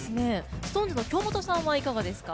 ＳｉｘＴＯＮＥＳの京本さんはどうですか？